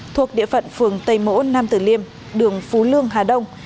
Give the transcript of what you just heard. thuộc địa phận phường tây mỗ nam tử liêm đường phú lương hà đông